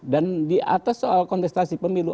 dan di atas soal kontestasi pemilu